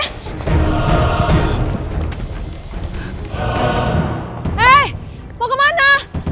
eh mau kemana